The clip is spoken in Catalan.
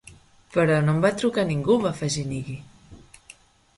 "Però no em va trucar ningú", va afegir Nighy.